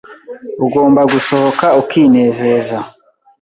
Ugomba gusohoka ukinezeza.